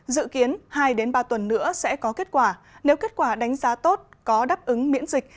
dự kiến hai ba tuần nữa sẽ có kết quả nếu kết quả đánh giá tốt có đáp ứng miễn dịch